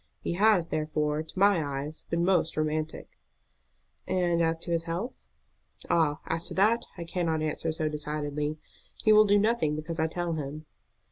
He has, therefore, to my eyes been most romantic." "And as to his health?" "Ah, as to that I cannot answer so decidedly. He will do nothing because I tell him."